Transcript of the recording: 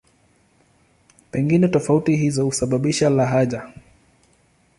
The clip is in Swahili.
Pengine tofauti hizo husababisha lahaja.